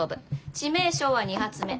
致命傷は２発目。